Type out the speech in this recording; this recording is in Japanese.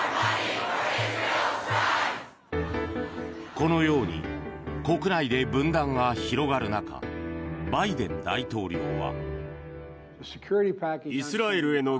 このように国内で分断が広がる中バイデン大統領は。